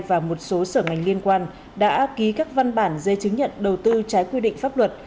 và một số sở ngành liên quan đã ký các văn bản dây chứng nhận đầu tư trái quy định pháp luật